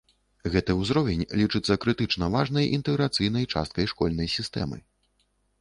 Гэты ўзровень лічыцца крытычна важнай інтэграцыйнай часткай школьнай сістэмы.